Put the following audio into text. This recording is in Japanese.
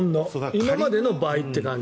今までの倍っていう感じ。